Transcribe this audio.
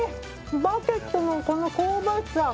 バケットのこの香ばしさ。